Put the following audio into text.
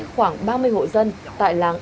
khoảng ba mươi hộ dân tại làng